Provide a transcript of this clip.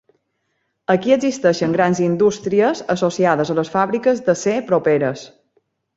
Aquí existien grans indústries associades a les fàbriques d'acer properes.